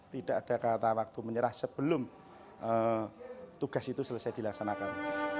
tidak ada kata waktu menyerah sebelum tugas itu selesai dilaksanakan